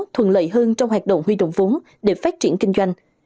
thuận lợi hơn trong hoạt động huy động vốn để phát triển kinh doanh